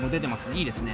いいですね。